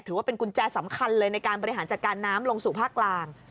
ถือว่าเป็นกุญแจสำคัญเลยในการบริหารจัดการน้ำลงสู่ภาคกลาง